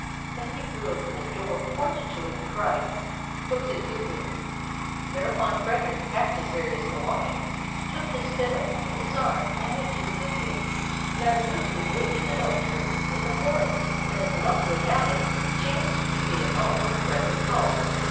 Then he threw open the door, pointed to it, and cried, ''Go to the cuckoo!" Thereupon Frederick packed his various belongings, took his fiddle under his arm, and went to the cuckoo. Now the cuckoo lived in an oak tree in the forest, and, as luck would have it, chanced to be at home when Frederick called.